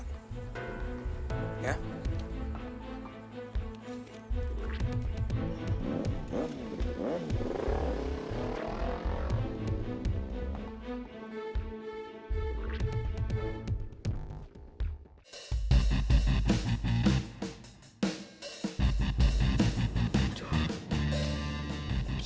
kita harus lihat apa yang terjadi